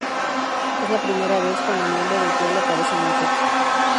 Es la primera vez cuando el nombre del pueblo aparece en un texto.